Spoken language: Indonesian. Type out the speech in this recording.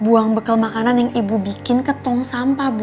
buang bekal makanan yang ibu bikin ketung sampah bu